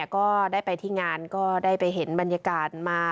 ก็ได้ไปที่งานก็ได้ไปเห็นบรรยากาศมา